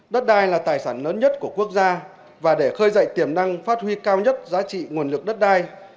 đất đai là tài sản lớn nhất của quốc gia và để khơi dậy tiềm năng phát huy cao nhất giá trị nguồn lực đất đai